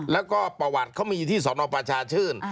แล้วก็ประวัติเขามีที่สนประชาชื่น